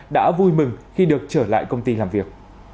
đã vui mừng khi được trở lại công ty làm việc